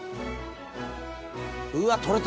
うわっ取れた！